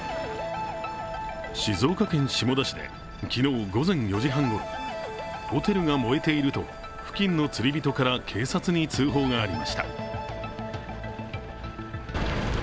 静岡県下田市で昨日午前４時半ごろホテルが燃えていると付近の釣り人から警察に通報がありました。